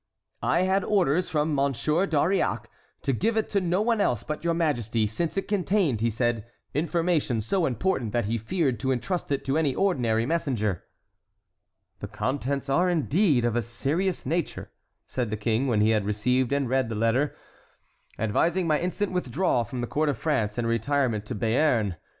"I had orders from Monsieur d'Auriac to give it to no one else but your majesty, since it contained, he said, information so important that he feared to entrust it to any ordinary messenger." "The contents are, indeed, of a serious nature," said the king, when he had received and read the letter; "advising my instant withdrawal from the court of France, and retirement to Béarn. M.